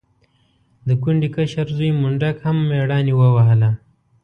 د کونډې کشر زوی منډک هم مېړانې ووهله.